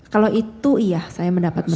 kalau itu iya saya mendapat menu